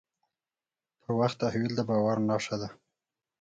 په وخت تحویل د باور نښه ده.